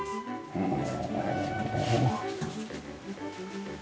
うん。